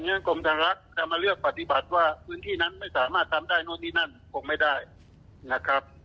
ฉะกรมทางรักษ์จะมาเลือกปฏิบัติว่าพื้นที่นั้นไม่สามารถทำได้นู่นนี่นั่นคงไม่ได้นะครับ